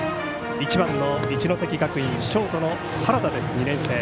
１番の一関学院ショートの原田です、２年生。